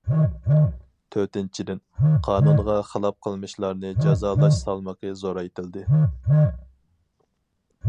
تۆتىنچىدىن، قانۇنغا خىلاپ قىلمىشلارنى جازالاش سالمىقى زورايتىلدى.